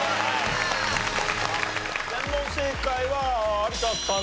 全問正解は有田さん